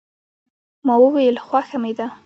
ما وویل، خوښه مې ده.